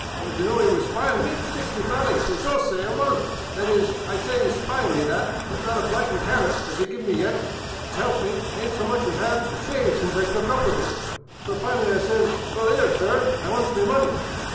Only d' ye know what 'e 's pying me ? Sixty bally paysoze a month ! That is, I sye 'e 's pying me that, but not a blightin' tanner 'as 'e give me yet, an' s' elp me, I ayn't so much as 'ad a shave since I took up with 'im. So finally I says, * Well, 'ere, sir, I wants me money.